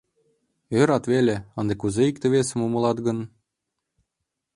Ӧрат веле, ынде кузе икте-весым умылат гын?